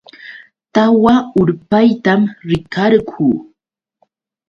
Tawa urpaytam rikarquu.